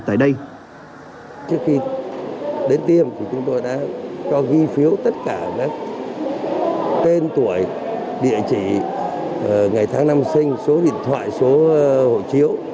trước khi đến tiêm thì chúng tôi đã cho ghi phiếu tất cả các tên tuổi địa chỉ ngày tháng năm sinh số điện thoại số hộ chiếu